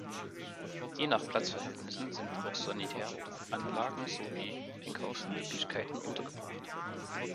Je nach Platzverhältnissen sind auch sanitäre Anlagen sowie Einkaufsmöglichkeiten untergebracht.